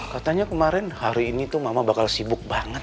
katanya kemarin hari ini tuh mama bakal sibuk banget